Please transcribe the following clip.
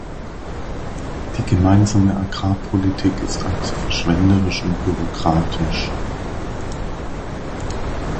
Die gemeinsame Agrarpolitik ist allzu verschwenderisch und bürokratisch.